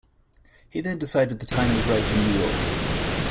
He then decided the time was right for New York.